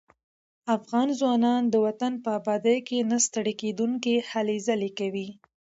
افغان ځوانان د وطن په ابادۍ کې نه ستړي کېدونکي هلې ځلې کوي.